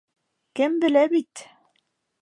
Кем белә бит.